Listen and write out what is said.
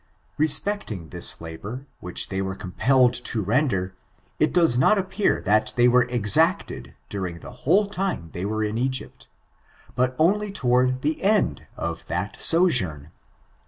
Respecting this labor, which they were compelled to render, it does not appear that it was exacted du ring the whole time they were in Egypt, but only to ward the end of that sojourn.